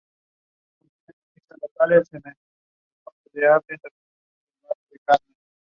Halvorsen was the first Norwegian party leader to launch a blog.